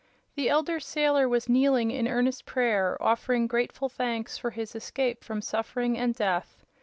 The elder sailor was kneeling in earnest prayer, offering grateful thanks for his escape from suffering and death.